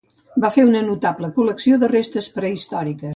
Va fer una notable col·lecció de restes prehistòriques.